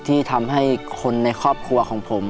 ที่ทำให้คนในครอบครัวของผม